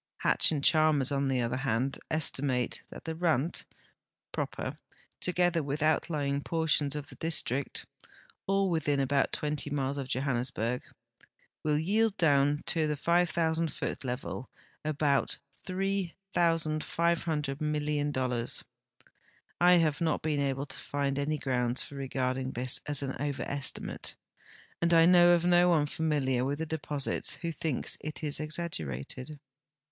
Hatch and Chalmers, on the other hand, estimate that the Rand proper, together Avith outlying ])ortions of the district (all Avithin about 20 miles of Johannesburg), Avill yield doAvn to the 5,000 foot level about 3,500 million dollars. I have not been able to find any grounds for regarding this as an overestimate, and I know of no one familiar Avith the de])Osits Avho thinks it exaggerated.